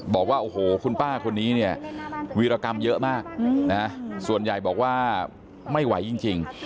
บอกว่าโอ้โหคุณป้าคนนี้เนี่ยวีรกรรมเยอะมากนะส่วนใหญ่บอกว่าไม่ไหวจริง